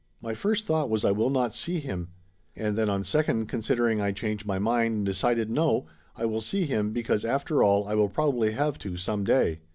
My first thought was I will not see him. And then on second considering I changed my mind and decided no, I will see him be cause after all I will probably have to, some day.